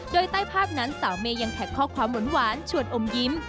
โดยใต้ภาพนั้นสาวเมย์ยังแท็กข้อความหวานชวนอมยิ้ม